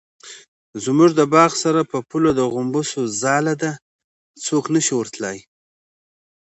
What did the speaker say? زموږ د باغ سره په پوله د غومبسو ځاله ده څوک نشي ورتلی.